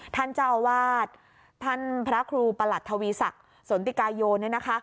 ท่านเจ้าอาวาสท่านพระครูประหลัดทวีศักดิ์สนติกาโยเนี่ยนะคะ